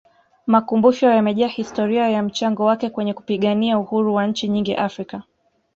makumbusho yamejaa historia ya mchango wake kwenye kupigania Uhuru wa nchi nyingi africa